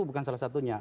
bukan salah satunya